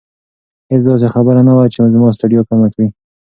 هیڅ داسې خبره نه وه چې زما ستړیا کمه کړي.